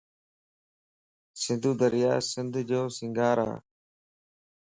سنڌو دريا سنڌ جو سينگار ا